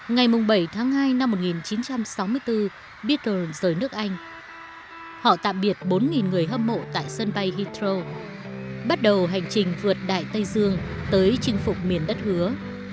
ngày bảy tháng hai năm một nghìn chín trăm sáu mươi bốn biết ơn rời nước anh họ tạm biệt bốn người hâm mộ tại sân bay hetro bắt đầu hành trình vượt đại tây dương tới chinh phục miền đất hứa